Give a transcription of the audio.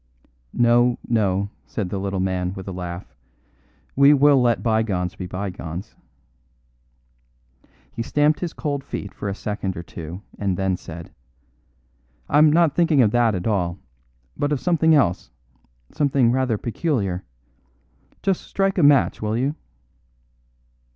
"No, no," said the little man with a laugh, "we will let bygones be bygones." He stamped his cold feet for a second or two, and then said: "I'm not thinking of that at all, but of something else; something rather peculiar. Just strike a match, will you?"